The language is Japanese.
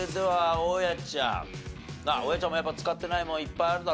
大家ちゃんも使ってないものいっぱいあるだろ？